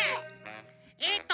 えっと